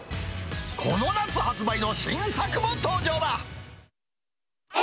この夏発売の新作も登場だ。